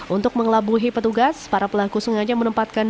untuk mengelabuhi petugas para pelaku sengaja menempatkan